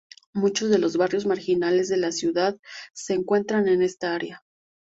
Muchos de los barrios marginales de la ciudad se encuentran en esta área.